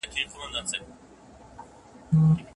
مرکه چيانو هيڅکله د سنتو خلاف عمل نه دی کړی.